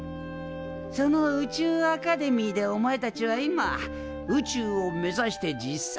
その宇宙アカデミーでお前たちは今宇宙を目指して実際に学んどる。